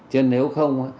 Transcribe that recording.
chứ nếu không